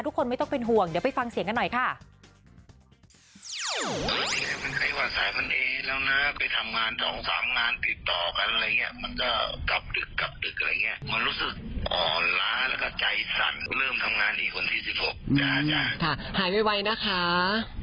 ทุกคนไม่ต้องเป็นห่วงเดี๋ยวไปฟังเสียงกันหน่อยค่ะ